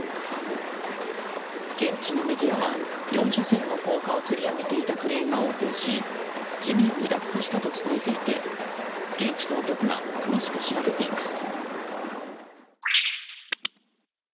現地のメディアは４車線の高架をつり上げていたクレーンが横転し地面に落下したと伝えていて現地当局が詳しく調べています。